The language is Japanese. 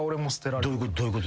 どういうこと？